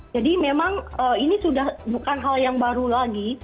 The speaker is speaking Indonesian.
jadi memang ini sudah bukan hal yang baru lagi